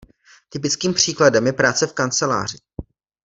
Typickým příkladem je práce v kanceláři.